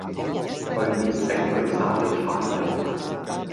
去年城裏殺了犯人，